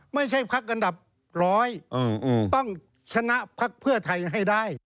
ไม่ใช่พรรคอันดับร้อยต้องชนะพรรคเพื่อไทยให้ได้